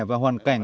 và hoàn cảnh